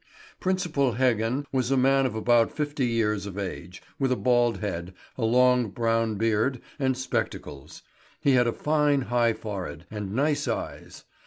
Principal Heggen was a man of about fifty years of age, with a bald head, a long brown beard, and spectacles. He had a fine, high forehead, and nice eyes.